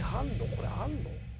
これあるの？